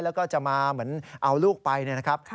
แล้วก็จะมาเหมือนเอาลูกไปนะครับ